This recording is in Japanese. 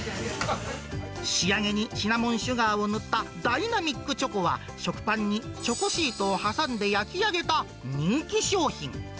仕上げにシナモンシュガーを塗ったダイナミックチョコは、食パンにチョコシートを挟んで焼き上げた人気商品。